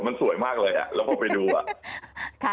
มันสวยมากเลยอ่ะแล้วเข้าไปดูอ่ะ